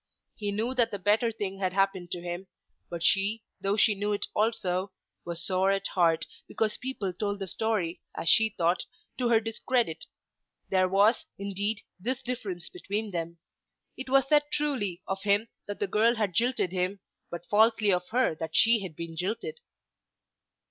He knew that the better thing had happened to him; but she, though she knew it also, was sore at heart because people told the story, as she thought, to her discredit. There was, indeed, this difference between them. It was said truly of him that the girl had jilted him, but falsely of her that she had been jilted.